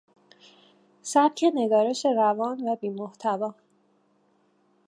سبک نگارش روان و بیمحتوا